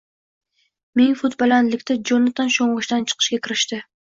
Ming fut balandlikda Jonatan sho‘ng‘ishdan chiqishga kirishdi.